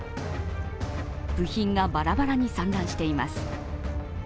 部品がばらばらに散乱しています。